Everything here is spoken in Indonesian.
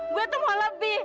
gue tuh mau lebih